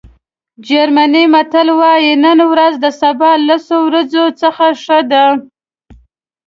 جرمني متل وایي نن ورځ د سبا لسو ورځو څخه ښه ده.